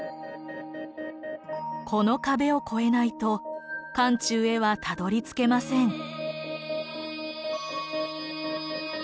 この壁を越えないと漢中へはたどりつけません。